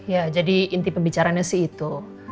ya jadi inti pembicaranya sih itu